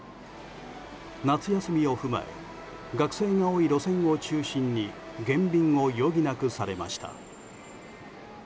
夏休みを踏まえ学生が多い路線を中心に減便を余儀なくされました。